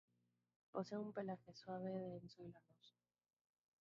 Posee un pelaje suave, denso y lanoso.